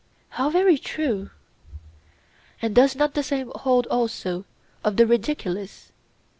How very true! And does not the same hold also of the ridiculous?